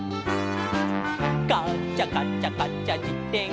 「カチャカチャカチャじてん